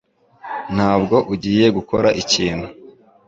Ntabwo ugiye gukora ikintu